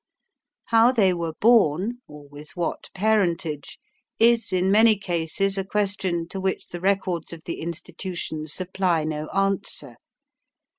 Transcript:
How they were born, or with what parentage, is in many cases a question to which the records of the institution supply no answer.